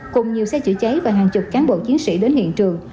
cùng nhiều xe chữa cháy và hàng chục cán bộ chiến sĩ đến hiện trường